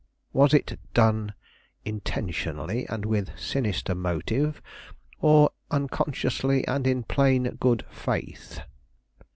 Was it done intentionally and with sinister motive, or unconsciously and in plain good faith?"